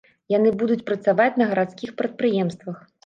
Яны будуць працаваць на гарадскіх прадпрыемствах.